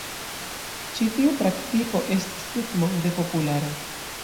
Ĉi tiu praktiko estis tutmonde populara.